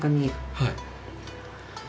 はい。